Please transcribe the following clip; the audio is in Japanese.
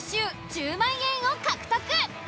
１０万円を獲得。